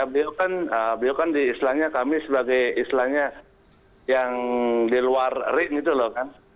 beliau kan diislahnya kami sebagai islahnya yang di luar ring gitu loh kan